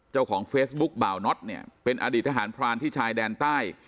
เจ้าของเฟซบุ๊กบ่าวน็อตเนี่ยเป็นอดีตทหารพรานที่ชายแดนใต้